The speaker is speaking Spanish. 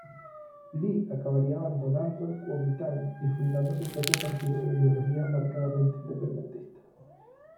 Lee acabaría abandonando el Kuomintang y fundando su propio partido de ideología marcadamente independentista.